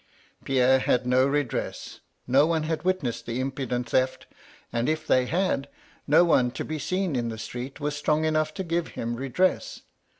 Pierre had no redress; no one had witnessed the impudent theft, and if they had, no one to be seen in the street was strong enough to give him redress.